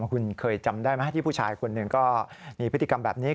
คุณเคยจำได้ไหมที่ผู้ชายคนหนึ่งก็มีพฤติกรรมแบบนี้